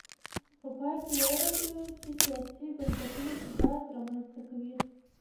په پای کې ویلای شو چې سیاسي بنسټونه ثبات رامنځته کوي.